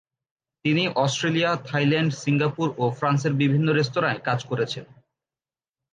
তিনি Australia, Thailand, Singapore ও ফ্রান্সের বিভিন্ন রেস্তোরাঁয় কাজ করেছেন।